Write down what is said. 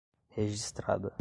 registrada